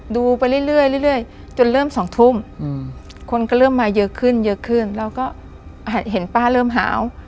ดูไปเรื่อยจนเริ่ม๒ทุ่มคนก็เริ่มมาเยอะขึ้นเยอะขึ้นเราก็เห็นป้าเริ่มหาว